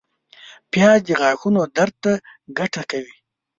پیاز د غاښونو درد ته ګټه کوي